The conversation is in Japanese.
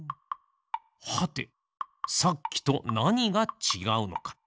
はてさっきとなにがちがうのか。